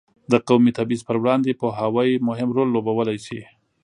د قومي تبعیض پر وړاندې پوهاوی مهم رول لوبولی شي.